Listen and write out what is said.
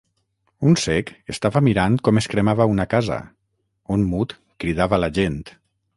Un cec estava mirant com es cremava una casa, un mut cridava la gent.